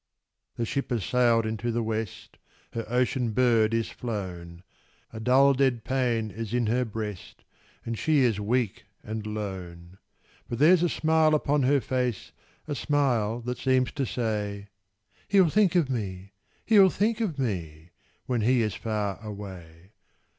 The ship has sailed into the West: Her ocean bird is flown: A dull dead pain is in her breast, And she is weak and lone: But there's a smile upon her face, A smile that seems to say "He'll think of me he'll think of me When he is far away!